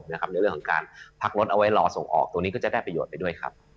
ในเรื่องของการพักรถเอาไว้รอส่งออกตรงนี้ก็จะได้ประโยชน์ไปด้วยครับ